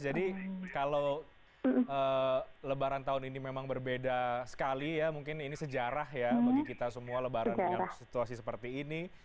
jadi kalau lebaran tahun ini memang berbeda sekali ya mungkin ini sejarah ya bagi kita semua lebaran dengan situasi seperti ini